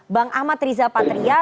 bang ahmad riza patria